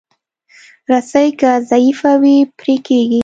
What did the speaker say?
رسۍ که ضعیفه وي، پرې کېږي.